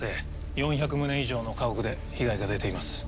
４００棟以上の家屋で被害が出ています。